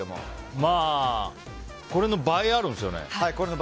まあこれの倍あるんですよね。